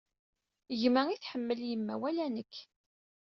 Gma i tḥemmel yemma wala nekk.